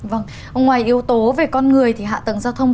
vâng ngoài yếu tố về con người thì hạ tầng giao thông